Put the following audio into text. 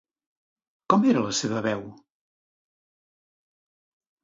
Com era la seva veu?